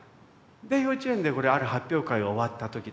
で幼稚園である発表会が終わった時です。